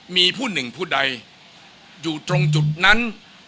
มีผู้หนึ่งผู้ใดอยู่ตรงจุดนั้น